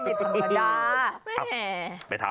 โอ้โฮมีธรรมดา